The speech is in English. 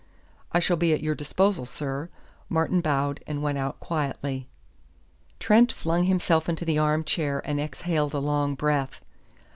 "I shall be at your disposal, sir." Martin bowed and went out quietly. Trent flung himself into the arm chair and exhaled a long breath.